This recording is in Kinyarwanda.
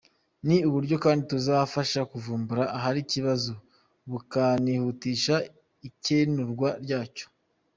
Ni uburyo kandi buzafasha kuvumbura ahari ikibazo bukanihutisha ikemurwa ryacyo.